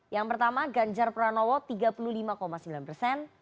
yang pertama ganjar pranowo tiga puluh lima sembilan persen